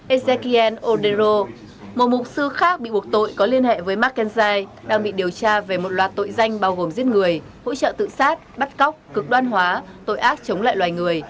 ezekien odero một mục sư khác bị buộc tội có liên hệ với mccainshi đang bị điều tra về một loạt tội danh bao gồm giết người hỗ trợ tự sát bắt cóc cực đoan hóa tội ác chống lại loài người